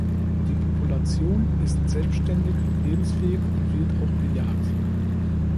Die Population ist selbständig lebensfähig und wird auch bejagt.